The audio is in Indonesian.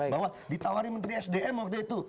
bahwa ditawari menteri sdm waktu itu